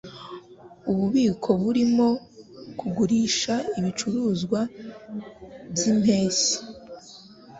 Ububiko burimo kugurisha ibicuruzwa byimpeshyi.